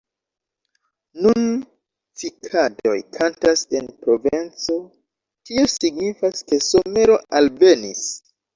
Nun cikadoj kantas en Provenco; tio signifas, ke somero alvenis.